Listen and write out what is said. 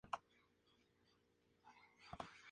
Duque estuvo preso en el patio quinto de la cárcel La Modelo.